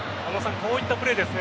こういったプレーですね。